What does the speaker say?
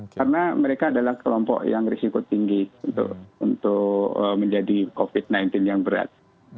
karena mereka adalah kelompok yang risiko tinggi untuk menjadi covid sembilan belas yang berat